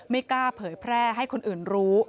ไม่กล้าเผยแพร่ให้คนอื่นรู้